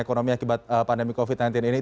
ekonomi akibat pandemi covid sembilan belas ini